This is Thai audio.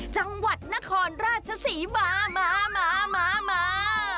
จังหวัดนครราชศรีมามามา